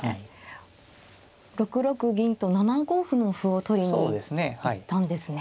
６六銀と７五歩の歩を取りに行ったんですね。